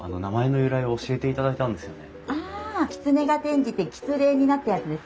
「きつね」が転じて「きつれ」になったやつですね。